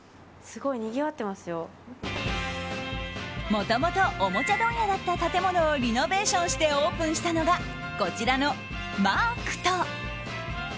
もともとおもちゃ問屋だった建物をリノベーションしてオープンしたのがこちらのマークト。